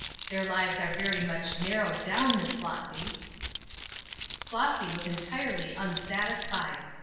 Their lives are very much narrowed down, Miss Flossy." Flossy was entirely unsatisfied.